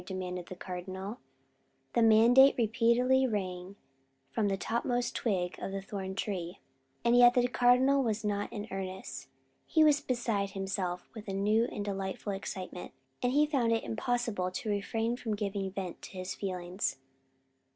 demanded the Cardinal The mandate repeatedly rang from the topmost twig of the thorn tree, and yet the Cardinal was not in earnest. He was beside himself with a new and delightful excitement, and he found it impossible to refrain from giving vent to his feelings.